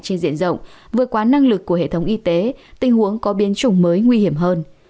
trên diện rộng vượt quá năng lực của hệ thống y tế tình huống có biến chủng mới nguy hiểm hơn